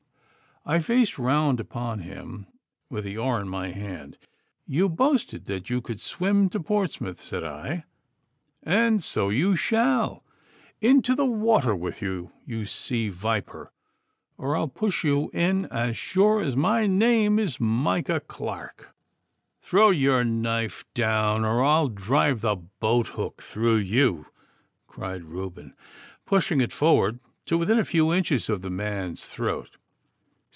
I faced round upon him with the oar in my hand. 'You boasted that you could swim to Portsmouth,' said I, 'and so you shall. Into the water with you, you sea viper, or I'll push you in as sure as my name is Micah Clarke.' 'Throw your knife down, or I'll drive the boat hook through you,' cried Reuben, pushing it forward to within a few inches of the man's throat.